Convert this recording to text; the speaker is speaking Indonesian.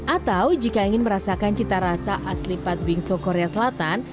atau jika ingin merasakan cita rasa asli patwingso korea selatan